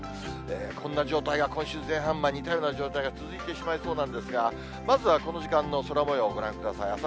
こんな状態が今週前半、似たような状態が続いてしまいそうなんですが、まずはこの時間の空もようをご覧ください。